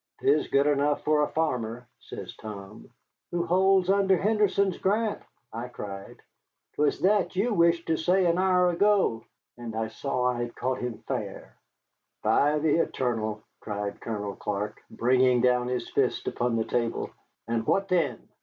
''Tis good enough for a farmer,' says Tom. 'Who holds under Henderson's grant,' I cried. ''Twas that you wished to say an hour ago,' and I saw I had caught him fair." "By the eternal!" cried Colonel Clark, bringing down his fist upon the table. "And what then?"